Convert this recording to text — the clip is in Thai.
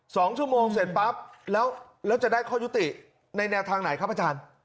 สองชั่วโมงเสร็จปั๊บแล้วแล้วจะได้ข้อยุติในแนวทางไหนครับอาจารย์